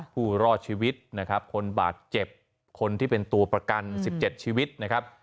ผู้รอดชีวิตนะครับคนบาดเจ็บคนที่เป็นตัวประกัน๑๗ชีวิตนะครับ